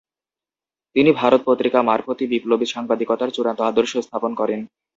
তিনি "ভারত" পত্রিকা মারফত বিপ্লবী সাংবাদিকতার চূড়ান্ত আদর্শ স্থাপন করেন।